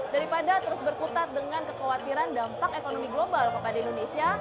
daripada terus berkutat dengan kekhawatiran dampak ekonomi global kepada indonesia